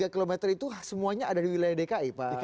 tiga km itu semuanya ada di wilayah dki pak